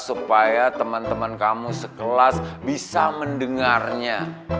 supaya teman teman kamu sekelas bisa mendengarnya